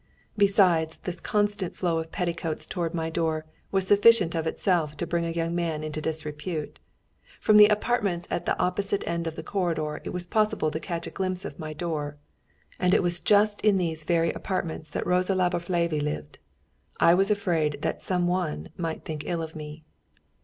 Besides, this constant flow of petticoats towards my door was sufficient of itself to bring a young man into disrepute. From the apartments at the opposite end of the corridor it was possible to catch a glimpse of my door, and it was just in these very apartments that Rosa Laborfalvy lived. I was afraid that some one might think ill of me.